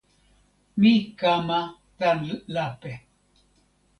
mi kama tan lape.